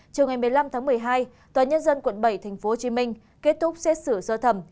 chiều ngày một mươi năm tháng một mươi hai tòa nhân dân quận bảy tp hcm kết thúc xét xử sơ thẩm